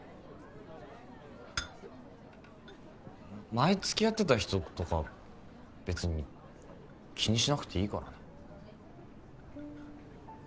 前付き合ってた人とか別に気にしなくていいからな。